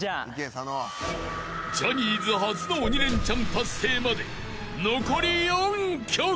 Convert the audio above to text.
［ジャニーズ初の鬼レンチャン達成まで残り４曲］